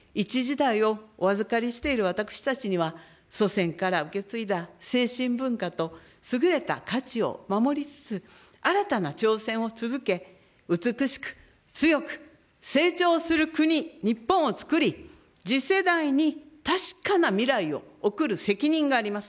一時代をお預かりしている私たちには祖先から受け継いだ精神文化と優れた価値を守りつつ、新たな挑戦を続け、美しく強く成長する国、日本をつくり、次世代に確かな未来を送る責任があります。